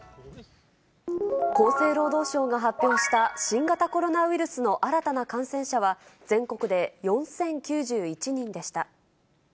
厚生労働省が発表した、新型コロナウイルスの新たな感染者は、全国で４０９１人でした。